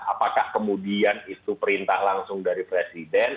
apakah kemudian itu perintah langsung dari presiden